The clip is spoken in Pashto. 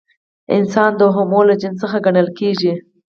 انسان د هومو له جنس څخه ګڼل کېږي.